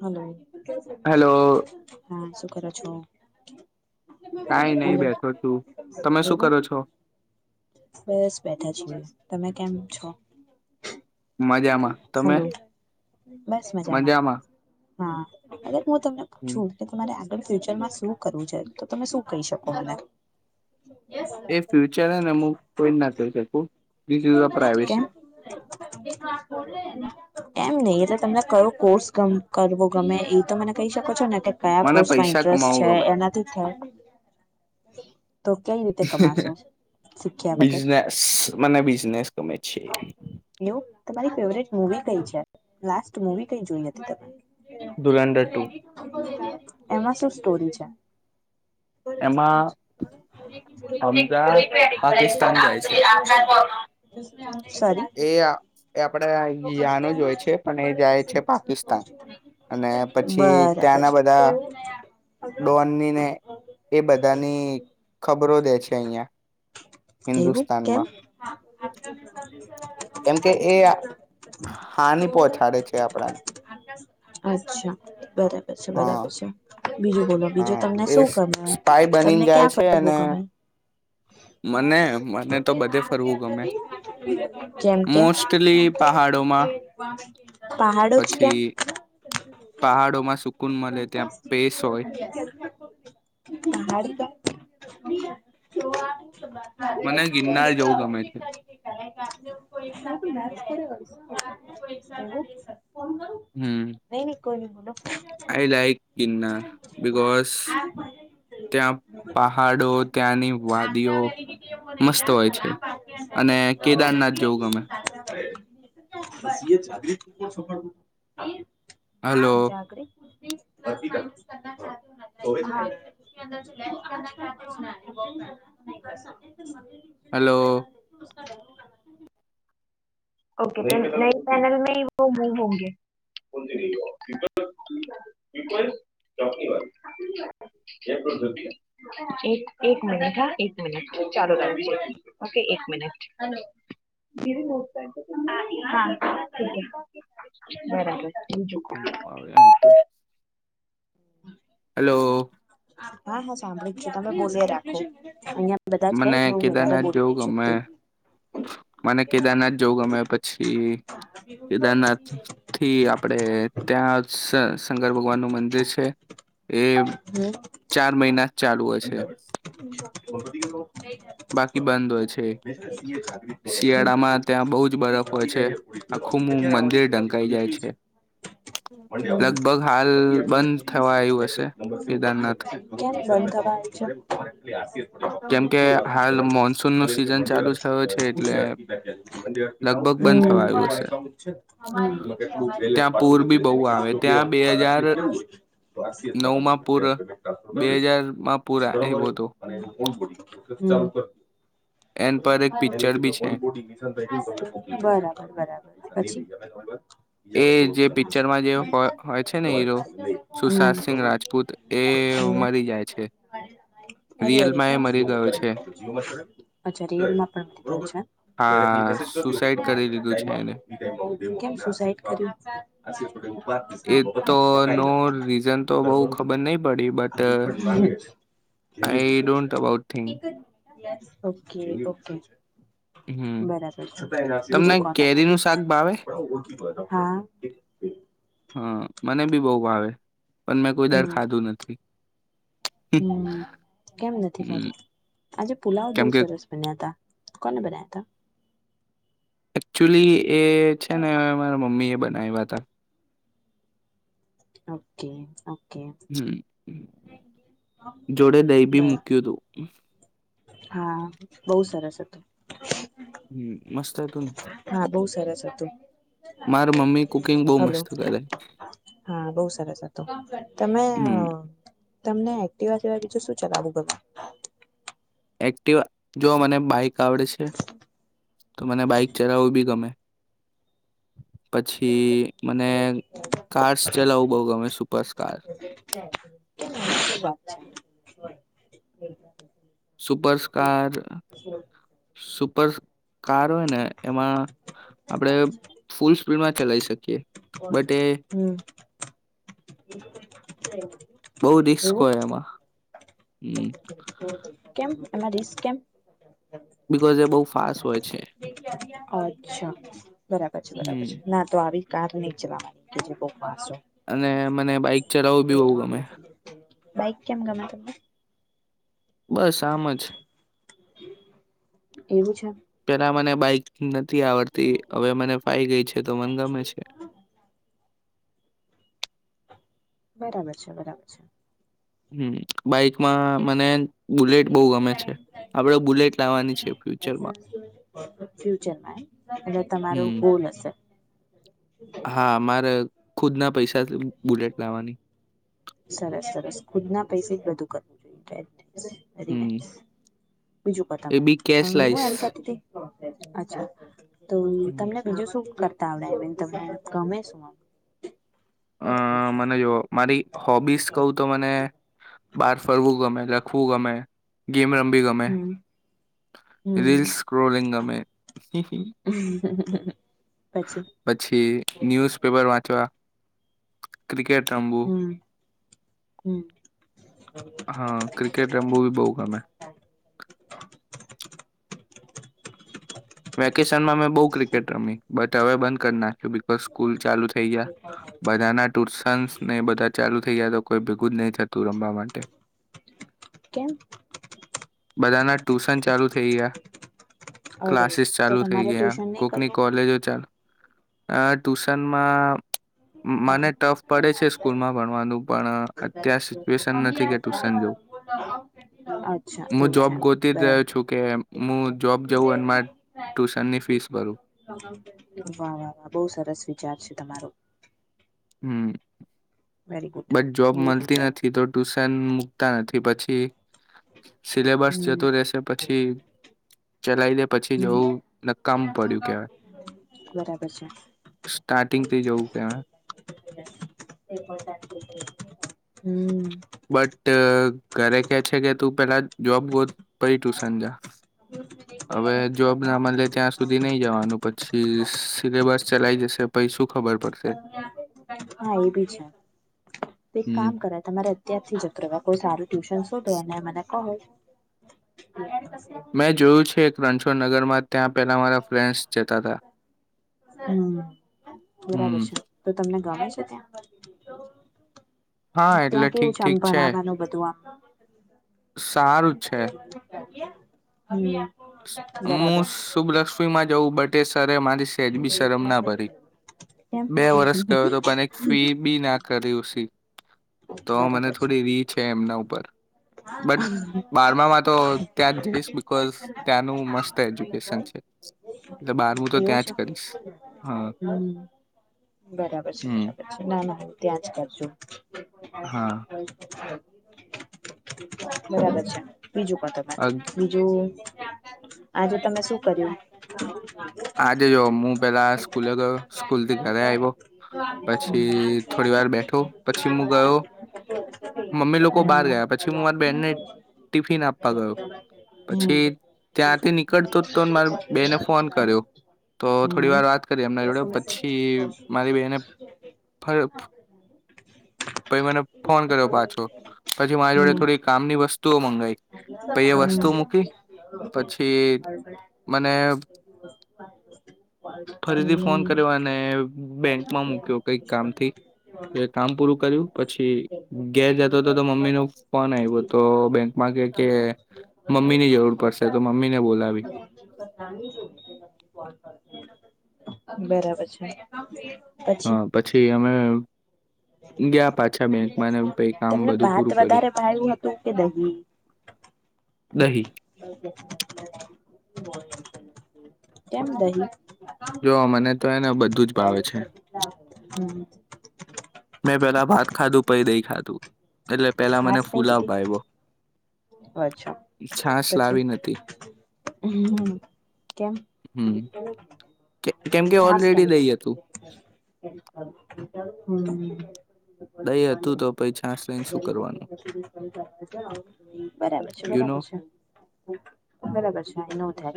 Hello. Hello [unintelligible] હા શું કરો છો? કાઈ નહી હલો, બેઠો છું તમે શું કેવુ કરો છો બસ બેઠા છે. તમે કેમ છો? મજામાં તમે? હલો બસ મજામાં. હા. હું તમને હમ પૂછું કે તમારે ફ્યુચરમાં શું કરવું છે તો તમે શું કહી શકો મને? એ ફ્યુચરને અમું કોઈનાં કહી શકું થીસ ઈઝ અ કેમ પ્રાઈવેસી. એમ નહીં તમને કયો કોર્સ કરવો ગમે એતો મને કહી શકો છોને. કયાં મને કોર્સમાં પૈસા ઇન્ટરેસ્ટ કમાવું છે ગમે એનાથી થાય. [unintelligible] તો કઈ રીતે કમાશો, શીખ્યા વગર, બિઝનેસ મને બિઝનેસ ગમે છે એવું તમારી ફેવરેટ મુવી? કઈ છે. લાસ્ટ મુવી કઈ જોઈ હતી તમે? ધુરંધર ટુ [unintelligible] એમાં શું સ્ટોરી છે? [unintelligible] અમદા પાકિસ્તાન જાય છે સોરી એ આપડે યાનું જ હોય છે. પણ એ જાય છે પાકિસ્તાન અને પછી બરાબર ત્યાંના બધાં ડોનનીને એ બધાંની પછી અયા એવું કેમ હિદુસ્તાનમાં [inaudible] કેમ કે એ હાનિ પહોચાડે છે આપરાને. અચ્છા. બરાબર છે હા બરાબર છે. બીજું બોલો બીજું હા તમને એ શું ગમે સ્પાય બનીને તમને જાય ક્યાં છે અને ફરવું ગમે? મને, મને તો બધે ફરવું ગમે જેમ કે મોસ્ટલી પહાડોમાં પહાડો જ કેમ પછી પહાડોમાં સુકુન મલે ત્યાં પેસ હોય. [inaudible] [inaudible] મને જોવા. ગિરનાર જવું ગમે છે કો [unintelligible] કોઈસા [unintelligible] હમ. કોઈ ને. આઈ લાઈક ગિરનાર, બિકોઝ ત્યાં પહાડો, ત્યાંની વાદીઓ આા મસ્ત હોય છે વરી અને કો કેદારનાથ જેવું ગમે નહીરા પા [unintelligible] ચરી હલો પણ સફળું [unintelligible] હા, જાગૃતિ. [unintelligible] [unintelligible] હલો. ઓકેનલવ [unintelligible] એક મિનિટ, હા, એક મિનિટ. ચાલો રાજ, ઓકે, એક મિનિટ. બરાબર. તો હમ. હેલો. હા હા, સાંભળી જ છ છે તમે બોલી રાખજો અહીં [unintelligible] બધા જ, એટલે મને હું વધારે કેદારનાથ બોલી જવું નહીં ગમે શકતી. મને કેદારનાથ જવું ગમે. પછી કેદારનાથ થી આપડે ત્યાં શંકર ભગવાન નું મંદિર છે, એ. હમ ચાર મહિના ચાલુ હશે. બોલ ને તો. બાકી બંધ હોય છે. સીએ જાગૃત નો તમને નામ શિયાળામાં ત્યાં બહુ જ કહ્યું બરફ હોય ઈ અર્પિતા છે. ની પૂરી થયું આખું અર્પિતા ક્યારે આવવાની મંદિર છે પાછી ઢંકાઈ તબિયત જાય કેવી છે, લગભગ. હાલ બંધ થવા આવ્યું અત હશે કેદારનાથ [unintelligible] વે કેમકે હાલ મોનસૂન નું પૂ સિઝન ચાલુ થયો છે એટલે અિે લગભગ બંધ થવા અિછે આવ્યું હશે છે ત્યાં પૂર બી બહુ આવે ત્યાં [unintelligible] બે હજાર વય નવ તો માં પૂર ટ્રાન્સફર બે હજારમાં કરી પૂરા આવ્યો હતો દઈશ, બરોબર. અને એન પર એક એ પિક્ચર બી છે ફ બરાબર, બરાબર પછી. એ જે પિક્ચર માં જે હોય છે ને હીરો સુશાંત સિંહ રાજપૂત એ મરી જાય છે રિયલમાં એ મરી ગયો છે હા સુસાઈડ કરી લીધું છે એને અ [unintelligible] એ તો નો રીઝન, તો બહુ તારે બરોબર ખબર નહીં પડી, બટ આ રિફંડ માંગે છે આઈ છે don't about think. Okay, okay. હમ તમને કેરીનું શાક ભાવે બરાબર. હા. હા, મને બી બહુ ભાવે. પણ મેં કોઈ દર હમ, ખાધું નથી હમ, કેમ નથી થતુ, આજે પુલાવ બહુ કેમકે સરસ બન્યા હતા. કોને બનાયા હતા? એકચુલી એ છે ને, મારા મમ્મી એ બધા નહીં, વાતા ઓકે. ઓકે હમ, જોડે દહીં ભી બસ મુૂક્યું હતું. હા, બહુ સરસ હતું. હમ મસ્ત હતું ને હા, બહુ સરસ હતું. માર મમ્મી કુકિંગ બહુ હલો, મસ્ત કરે હા, બહુ સરસ હતું, તમે હમ તમને એક્ટિવા સવાય બીજું શું ચલાવું ગુમે? એક્ટિવ જો મને બાઈક આવડે છે, તો મને બાઈક ચલાવવું બી ગમે, પછી. મને કારસ ચલાવું બઉ ગમે supercars. [unintelligible] Super star. Super car હોય ને, એમાં આપણેે ફૂલ સ્પીડમાં ચલાવી શકીએ. બટ એ હમ. બહુ એવું રીસ્કોય એમાં. કેમ એમાં, રિસ્ક કેમ? બકોઝ એ બહુ ફાસ્ટ હોય છે. અચ્છા. બરાબર છે, બરાબર હમ છે, ના તો આવી. કાર ની ચલાવાનુ. બીજી પો અને મને બાઈક ચલાવવું બી બહુ ગમે. બાઈક કેમ ગમે તને? બસ, આમ જ. એવું છે. પેલા મને બાઈક નથી આવડતી, હવે મને ફાઈ ગઈ છે, તો મને ગમે છે. બરાબર છે, બરાબર છે. હમ. બાઈકમાં મને બુલેટ બહુ ગમે છે, આપણેે બુલેટ લાવવાની છે, ફ્યુચરમાં ફ્યુચરમાં હમ. હ. હા, મારે ખુદના પૈસાથી બુલેટ લાવવાની. સરસ, સરસ, ખુદ ના પૈસે જ બધું કરવું જોઈએ. હમ [unintelligible] બીજું એ પતામે બી કેશ હું લાઈશ એમ કેતી તી અચ્છા તમ હમ. તમને બીજું શું લાગ તાવવેવી તમ ગમે શું અ મને જો મારી હો બીસ કહુ તો મને બાર ફરવું ગમેજા ખું ગમે ગેમ રમબી ગમે હમ હમ રીલસ સક્રોરિલંગ ગમે હી હી હ હ હ પછી ન્યુઝ પેપર વાંચવા ક્રિકેટ રમવુ હમ હમ હા ક્રિકેટ રમવુ બી બહુ ગમે વેકેશનમાં મેં બહુ ક્રિકેટ રમી બટ હવે બંધ કરી નાખ્યું બકુ બસ સ્કૂલ ચાલુ થઈ ગયા બધા ના ટ્યુશન્સ ને બધા ચાલુ થઇ ગયા તો કોઈ ભેગું જ નહી થતું રમવા માટે કેમ બધાના ટ્યુશન ચાલુ થઈ ગયા અરે ક્લાસીસ તો ચાલુ થઇ તમારે ગયા ટ્યુશન નહી કોકની કરવું? કોલેજો ચાલુ આ ટ્યુશનમાં મને ટફ પડે છે સ્કૂલ માં ભણવાનું પણ અટ ત્યાંશ ટુશન નથી ગયા કે ટુશન જવું અચ્છા હું એવું છે જોબ એમ ગોતી જ બરાબર. રહ્યો છું કે હું જોબ જવું અને મારે ટ્યુશનની ફીસ ભરું વાહ વાહ વાહ બઉ સરસ વિચાર છે તમારો. હમ વેરી ગુડ બટ જોબ એવો જ મલતી વિચારો નથી. તો ટુશન મૂકતા નથી કે પછી સિલેબસ હમ જતું રેશે પછી ચલાઈ દે પછી હમ. જવું નક્કામ પડ્યું કેવાય બરાબર છે. સ્ટાર્ટિંગ થી જવું કેવાય હમ બટ ઘરે કે છે કે તું પેલા જોબ ગોત પહી ટુશન જા. હવે જોબ ના મલે ત્યાં સુધી નઈ જવાનું. પછી સિલેબસ ચલાઈ જશે પહી શું ખબર પડશે. હા એ બી છે. તો એક હમ કામ કરાય તમારે અત્યારથી જતું રેવાય. કોઈ સારું ટ્યુશન શોધો અને મને [unintelligible] મેં જોયું છે રણછોડ નગરમાં ત્યાં પેલા મારા ફ્રેન્ડસ જતા હતા. હમ બરાબર હમ છે. તો તમને ગામડું છે હા ત્યાં એટલે ત્યાં કેવું ઠીક છે? આમ ઠીક ભણાવવાનું બધું આમ. સારું જ છે [inaudible] [inaudible] હમ બરાબર મુું શુભલક્ષ્મીમાં જવું બટ તે સરે મારી સેજ બી શરમ ના ભરી. કેમ બે વરસ ગયો તો પણ એક ફી બી ના કરી ઉસી તો મને થોડી રી છે એમના ઉપર. બટ બારમામાં તો ત્યાં જ જઈશ બિકોઝ ત્યાંનું મસ્ત એજ્યુકેશન છે. એટલે બારમુ તો એવું ત્યાં જ છે કરીશ. હન હમ બરાબર છે હમ. બરાબર છે ના ના હું ત્યાં જ કરજો. [inaudible] હા બરાબર છે. બીજું કોતો વાત. અગ- બીજું આજે તમે શું કર્યું? આજે જો મુ પેલા સ્કૂલે ગયો સ્કૂલથી ઘરે આવ્યો પછી થોડી વાર બેઠો. પછી મુ ગયો મમ્મી લોકો બહાર ગયા પછી હું મારા બેનને ટિફિન આપવા ગયો પછી ત્યાંથી નીકળતો જ તો મારી બેને ફોન કર્યો. તો હમ હમ થોડીવાર વાત કરી એમના જોડે પછી મારી બેને ફ પહી મને ફોન કર્યો પાછો પછી મારી જોડે હમ થોડી કામની વસ્તુઓ મંગાઈ પહી એ વસ્તુ મૂકી પછી મને બ ફરીથી ફોન કર્યો અને બેંકમાં મૂક્યો કઈક કામથી કામ પૂરું કર્યું પછી ઘેર જતો હતો તો મમ્મીનો ફોન આવ્યો તો બેંકમાં કે કે મમ્મીની જરૂર પડશે તો મમ્મીને બોલાવી. બરાબર છે. હા પછી અમે ગયા પાછા બેંકમાં ને પહી કામ તમને બધું ભાત પૂરું કર્યું, વધારે ભાવ્યું હતું કે દહી દહીં. કેમ, દહીં? જો મને તો હેને બધું જ ભાવે છે. હમ મેં પેલા ભાત ખાધું પહી દહી ખાધું. એટલે પેહલા મને ફૂલાવ ભાયવો. ઓ અચ્છા પછી નથી કેમ હમ કે કેમ કે છાસ કેમ? ઓલરેડી દહી હતું દહી હતું તો પહી છાસ લઈને શું કરવાનું હમ્મ. [inaudible] બરાબર છે યુ નો બરાબર છે બરાબર છે નો થેક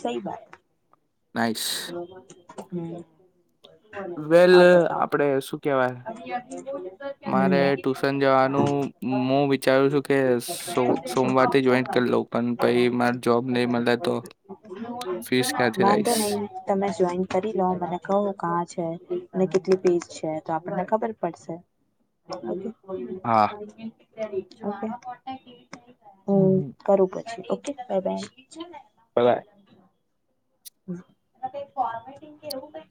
સહી બાત. નાઈશ. હમ્મ. વેલ આપણે શું કેવાય મારે ટુશન જવાનું મુ વિચારું છું કે સો સોમવારથી જોઈન્ટ કરી લઉં પણ પહી માર જોબ નહી મળે તો ફીસ ક્યાંથી વાંધો લાઈશ નહી તમે જોઈન કરી લો મને કહો કા છે અને કેટલી ફીઝ છે તો આપણને ખબર પડશે. હમ્મ. હા ઓકે. [unintelligible] હોવ બરોબર છે ઓકે. ઓ બે છે ને. બરાબર એમાં કઈક ફોર્મેટિંગ કે એવું કઈક